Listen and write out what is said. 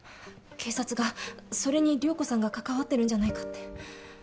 警察がそれに涼子さんが関わってるんじゃないかって。